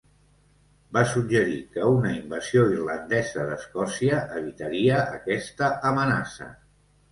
Va suggerir que una invasió irlandesa de Escòcia evitaria aquesta amenaça.